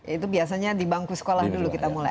itu biasanya di bangku sekolah dulu kita mulai